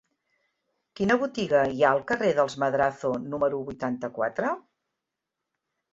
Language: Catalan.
Quina botiga hi ha al carrer dels Madrazo número vuitanta-quatre?